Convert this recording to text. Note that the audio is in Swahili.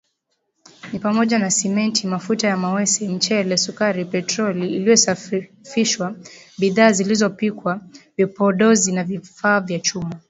ni pamoja na Simenti, mafuta ya mawese, mchele, sukari, petroli iliyosafishwa, bidhaa zilizopikwa, vipodozi na vifaa vya chuma